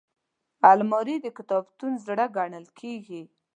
الماري د کتابتون زړه ګڼل کېږي